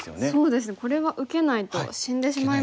これは受けないと死んでしまいますね。